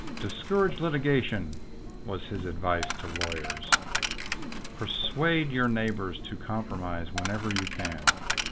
"Discourage litigation" was his advice to law yers. "Persuade your neighbors to compromise whenever you can.